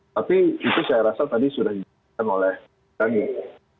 tapi itu saya rasa tadi sudah dijelaskan oleh kami